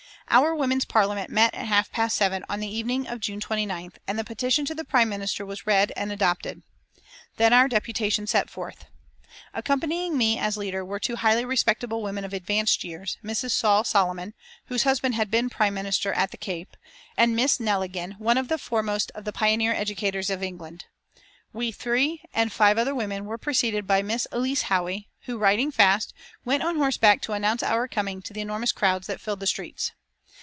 Our Women's Parliament met at half past seven on the evening of June 29th, and the petition to the Prime Minister was read and adopted. Then our deputation set forth. Accompanying me as leader were two highly respectable women of advanced years, Mrs. Saul Solomon, whose husband had been Prime Minister at the Cape, and Miss Neligan, one of the foremost of the pioneer educators of England. We three and five other women were preceded by Miss Elsie Howey, who, riding fast, went on horse back to announce our coming to the enormous crowds that filled the streets.